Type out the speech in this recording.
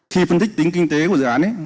khi phân tích tính kinh tế của dự án